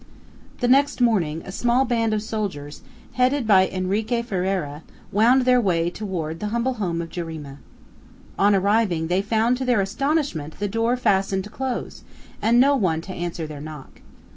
The next morning a small band of soldiers, headed by Henrique Ferriera, wound their way toward the humble home of Jarima. On arriving, they found to their astonishment the door fastened close, and no one to answer their knock.